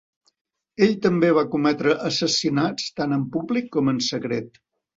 Ell també va cometre assassinats tant en públic com en secret.